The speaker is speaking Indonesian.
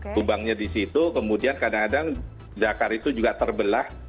tumbangnya di situ kemudian kadang kadang zakar itu juga terbelah